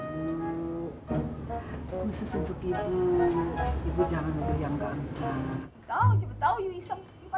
tahu siapa tahu lo iseng lo kan selalu iseng